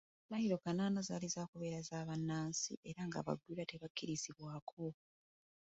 Mmayiro kanaana zaali zaakubeera za bannansi era nga abagwira tebakkirizibwako.